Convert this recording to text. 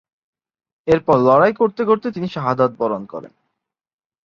এরপর লড়াই করতে করতে তিনি শাহাদাত বরণ করেন।